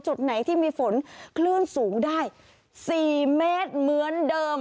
จุดไหนที่มีฝนคลื่นสูงได้๔เมตรเหมือนเดิม